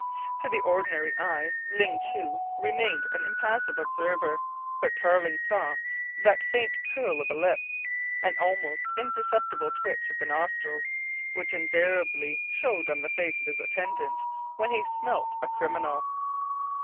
To the ordinary eye Ling Chu remained an impassive observer. But Tarling saw that faint curl of lip, an almost imperceptible twitch of the nostrils, which invariably showed on the face of his attendant when he "smelt" a criminal.